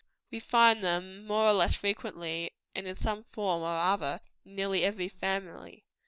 We find them more or less frequently, and in some form or other, in nearly every family.